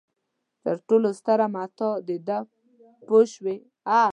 تر ټولو ستره متاع ده پوه شوې!.